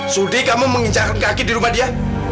sudi kamu mengincahkan kaki di rumah dia